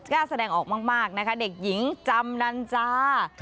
กล้าแสดงออกมากนะคะเด็กหญิงจำนันจา